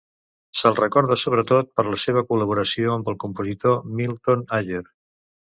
Se"l recorda sobretot per la seva col·laboració amb el compositor Milton Ager.